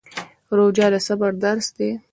روژه د صبر درس دی